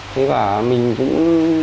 thế cả mình cũng